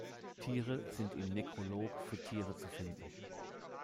Tiere sind im Nekrolog für Tiere zu finden.